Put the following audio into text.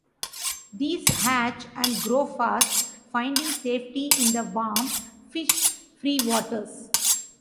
These hatch and grow fast, finding safety in the warm fish-free waters.